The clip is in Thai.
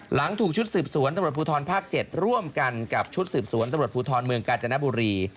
หลังถูกชุดสืบสวนตำรวจภูทรภาค๗ร่วมกันกับชุดสืบสวนตำรวจภูทรเมืองกาญจนบุรี